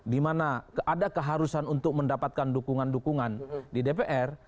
dimana ada keharusan untuk mendapatkan dukungan dukungan di dpr